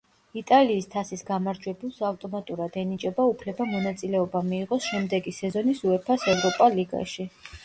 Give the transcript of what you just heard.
იტალიის თასის გამარჯვებულს ავტომატურად ენიჭება უფლება მონაწილეობა მიიღოს შემდეგი სეზონის უეფა-ს ევროპა ლიგაში.